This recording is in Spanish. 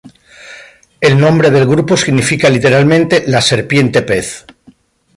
El nombre del grupo significa literalmente "la serpiente-pez".